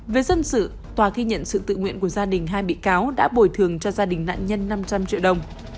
về dân sự tòa ghi nhận sự tự nguyện của gia đình hai bị cáo đã bồi thường cho gia đình nạn nhân năm trăm linh triệu đồng